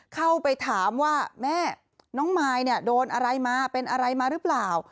เข้าไปถามว่าแม่น้องมายโดนอะไรมาเป็นอะไรมาหรือเปล่า